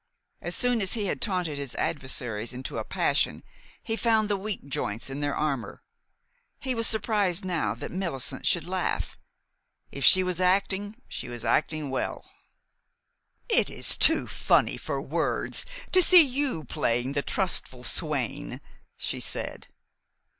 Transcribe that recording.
As soon as he had taunted his adversaries into a passion, he found the weak joints in their armor. He was surprised now that Millicent should laugh. If she was acting, she was acting well. "It is too funny for words to see you playing the trustful swain," she said.